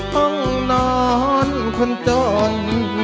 ห้องนอนคนจน